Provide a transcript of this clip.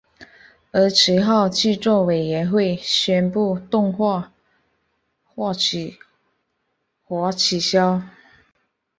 而其后制作委员会宣布动画化企划取消。